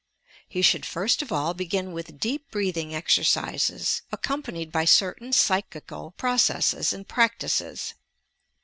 He should first of all begin with deep breathing exer cises, accompanied by certain psychical processes and practices.